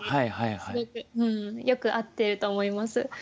すごくよく合っていると思います。